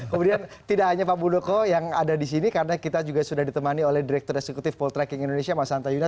kemudian tidak hanya pak muldoko yang ada di sini karena kita juga sudah ditemani oleh direktur eksekutif poltreking indonesia mas anta yuna